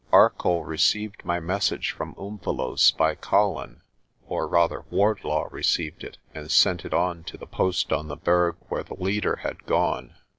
Arcoll receive my message from Umvelos' by Colin, or rather Wardlaw received it and sent it on to the post on the Berg where the leader had gone.